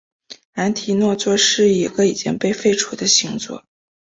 安提诺座是一个已经被废除的星座。